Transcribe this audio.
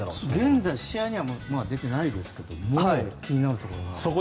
現在試合には出てないですが気になるところ。